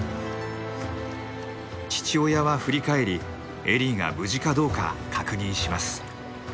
父親は振り返りエリーが無事かどうか確認します。